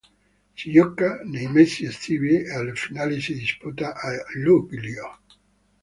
Si gioca nei mesi estivi e la finale si disputa a Luglio.